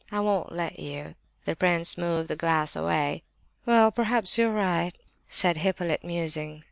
I won't let you." The prince moved the glass away. "Well perhaps you're right," said Hippolyte, musing.